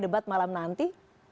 debat malam nanti